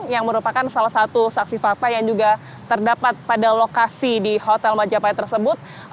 yang merupakan salah satu saksi fakta yang juga terdapat pada lokasi di hotel majapahit tersebut